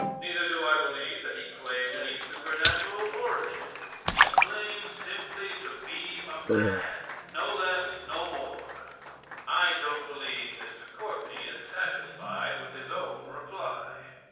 Neither do I believe that He claimed any supernatural origin. He claimed simply to be a man no less, no more. I don't believe Mr. Courtney is satisfied with his own reply."